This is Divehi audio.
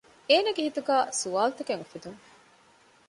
އޭނަގެ ހިތުގައި ސްވާލުތަކެއް އުފެދުން